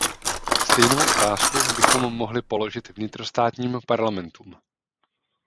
Stejnou otázku bychom mohli položit vnitrostátním parlamentům.